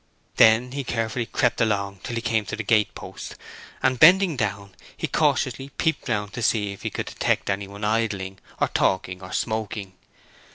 Then he carefully crept along till he came to the gate post, and bending down, he cautiously peeped round to see if he could detect anyone idling, or talking, or smoking.